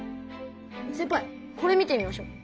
せんぱいこれ見てみましょう。